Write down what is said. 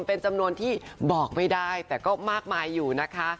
เป็นจำนวนที่บอกไม่ได้แต่ก็มากมายอยู่นะคะ